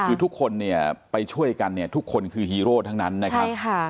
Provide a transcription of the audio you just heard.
คือทุกคนเนี่ยไปช่วยกันเนี่ยทุกคนคือฮีโร่ทั้งนั้นนะครับ